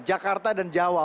jakarta dan jawa